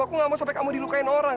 aku gak mau sampai kamu dilukain orang